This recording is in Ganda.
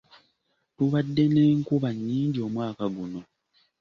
Tubadde n'enkuba nnyingi omwaka guno.